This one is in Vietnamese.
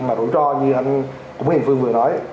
mà rủi ro như anh huyền phương vừa nói